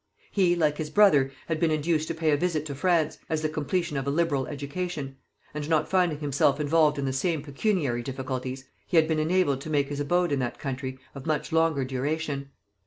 He, like his brother, had been induced to pay a visit to France, as the completion of a liberal education; and not finding himself involved in the same pecuniary difficulties, he had been enabled to make his abode in that country of much longer duration.